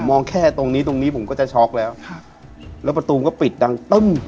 มองแค่ตรงนี้ตรงนี้ผมก็จะช็อกแล้วครับแล้วประตูก็ปิดดังตึ้ม